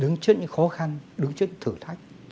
đứng trước những khó khăn đứng trước thử thách